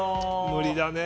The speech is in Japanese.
無理だね。